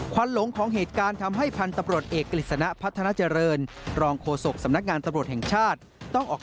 ควันหลงของเหตุการณ์ทำให้พันธ์ตำรวจเอก